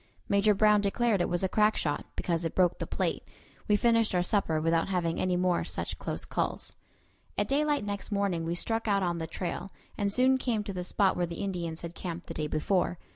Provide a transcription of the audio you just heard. Major Brown declared it was a crack shot, because it broke the plate. We finished our supper without having any more such close calls. At daylight next morning we struck out on the trail, and soon came to the spot where the Indians had camped the day before.